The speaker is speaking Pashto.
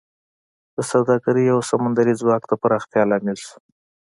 د سوداګرۍ او سمندري ځواک د پراختیا لامل شو